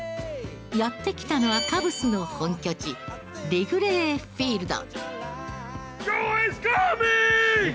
やって来たのはカブスの本拠地リグレー・フィールド。